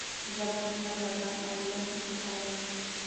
ژبه مو تل ودان او ولس مو سوکاله وي.